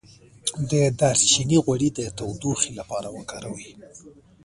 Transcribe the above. د دارچینی غوړي د تودوخې لپاره وکاروئ